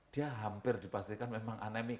dia hampir dipastikan memang anemi